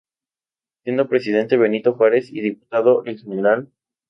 Siendo Presidente Benito Juárez y Diputado el Gral.